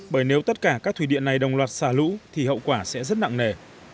bởi nếu tất cả các thủy điện này đồng loạt xả lũ thì hậu quả sẽ rất nặng nề